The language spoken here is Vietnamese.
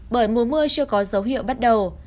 bởi mùa mưa chưa có dấu hiệu bắt đầu